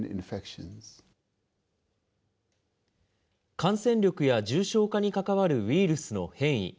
感染力や重症化に関わるウイルスの変異。